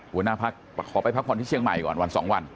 หัวหน้าพักขอไปพักผ่อนที่เชียงใหม่ก่อนวัน๒วัน